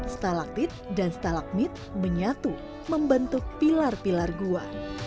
setalaktit dan stalagmit menyatu membentuk pilar pilar gua